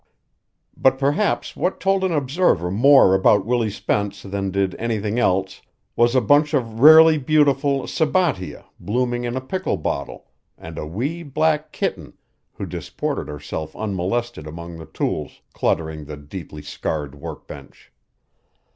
But perhaps what told an observer more about Willie Spence than did anything else was a bunch of rarely beautiful sabbatia blooming in a pickle bottle and a wee black kitten who disported herself unmolested among the tools cluttering the deeply scarred workbench.